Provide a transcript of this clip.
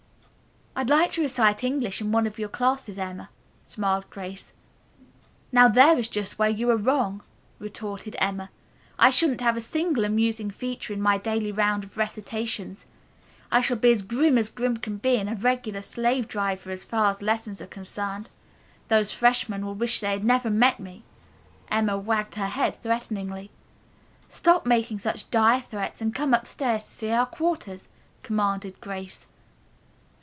"I'd like to recite English in one of your classes, Emma," smiled Grace. "Now there is just where you are wrong," retorted Emma. "I shan't have a single amusing feature in my daily round of recitations. I shall be as grim as grim can be and a regular slave driver as far as lessons are concerned. Those freshmen will wish they'd never met me." Emma wagged her head threateningly. "Stop making such dire threats and come upstairs to see our quarters," commanded Grace.